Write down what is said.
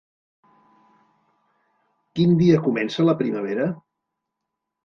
Quin dia comença la primavera?